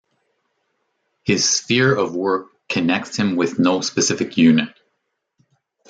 His sphere of work connects him with no specific unit.